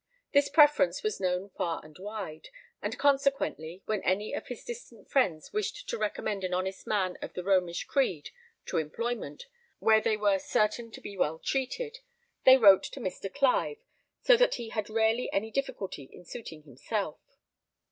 This preference was known far and wide; and consequently, when any of his distant friends wished to recommend an honest man of the Romish creed to employment, where they were certain to be well treated, they wrote to Mr. Clive, so that he had rarely any difficulty in suiting himself.